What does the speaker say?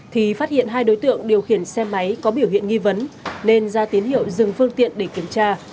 thì phát hiện hai đối tượng điều khiển xe máy có biểu hiện nghi vấn nên ra tín hiệu dừng phương tiện để kiểm tra